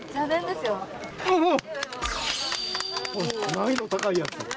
難易度高いやつ。